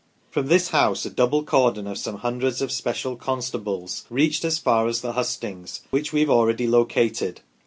From this house a double cordon of some hundreds of special constables reached as far as the hustings, which we have already located.